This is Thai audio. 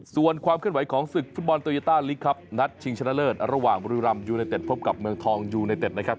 ส่วนความเคลื่อนไหวของศึกฟุตบอลโตยาต้าลิกครับนัดชิงชนะเลิศระหว่างบุรีรำยูไนเต็ดพบกับเมืองทองยูไนเต็ดนะครับ